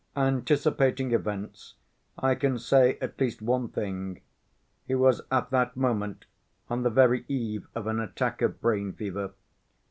Anticipating events I can say at least one thing: he was at that moment on the very eve of an attack of brain fever.